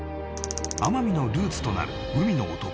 天海のルーツとなる海の男